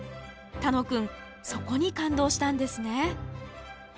楽くんそこに感動したんですね。